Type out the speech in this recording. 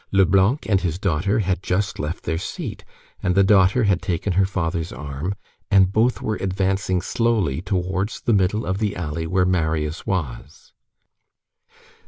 Leblanc and his daughter had just left their seat, and the daughter had taken her father's arm, and both were advancing slowly, towards the middle of the alley where Marius was.